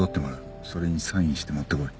それにサインして持ってこい。